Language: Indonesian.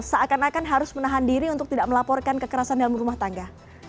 seakan akan harus menahan diri untuk tidak melaporkan kekerasan dalam rumah tangga